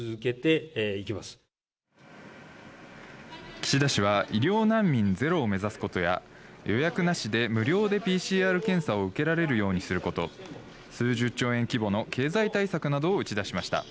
岸田氏は医療難民ゼロを目指すことや、予約なしで無料でＰＣＲ検査を受けられるようにすること、数十兆円規模の経済対策などを打ち出しました。